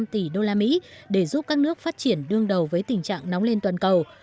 một trăm linh tỷ đô la mỹ để giúp các nước phát triển đương đầu với tình trạng nóng lên toàn cầu